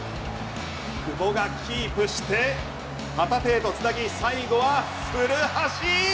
久保がキープして旗手へと繋ぎ最後は古橋。